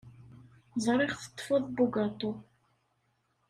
Ẓriɣ teṭṭfeḍ bugaṭu.